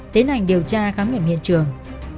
tiến hành điều tra khám nghiệm hiện trường